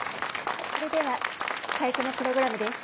・それでは最初のプログラムです・